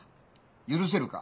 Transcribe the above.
許せるか？